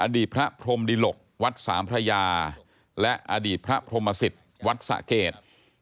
อดีตพระพรมดิหลกวัดสามพระยาและอดีตพระพรหมสิตวัดสะเกด